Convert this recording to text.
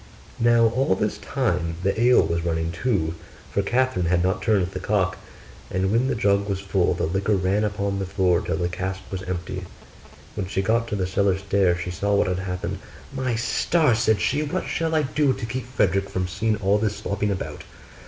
Now all this time the ale was running too, for Catherine had not turned the cock; and when the jug was full the liquor ran upon the floor till the cask was empty. When she got to the cellar stairs she saw what had happened. 'My stars!' said she, 'what shall I do to keep Frederick from seeing all this slopping about?